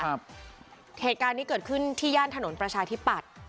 เหตุการณ์นี้เกิดขึ้นที่ย่านถนนประชาธิปัตย์